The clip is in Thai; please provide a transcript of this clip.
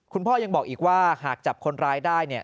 คุณพ่อยังบอกอีกว่าหากจับคนร้ายได้เนี่ย